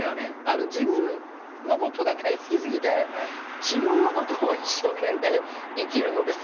自分のことが大好き過ぎて自分のことを一生懸命生きるので精いっぱいなのね。